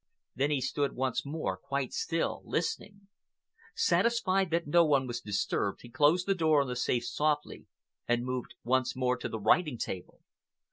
Then he stood once more quite still, listening. Satisfied that no one was disturbed, he closed the door of the safe softly and moved once more to the writing table.